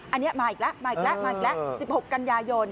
อันนี้มาอีกแล้วมาอีกแล้ว๑๖กันยายน